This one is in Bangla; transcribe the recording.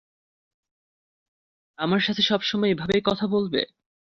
আমার সাথে সবসময় এভাবেই কথা বলবে?